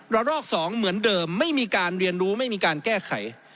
ลอก๒เหมือนเดิมไม่มีการเรียนรู้ไม่มีการแก้ไข